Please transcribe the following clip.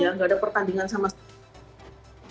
ya nggak ada pertandingan sama sekali